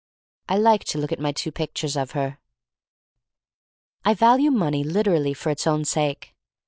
I like to look at my two pictures of her. I value money literally for its own sake.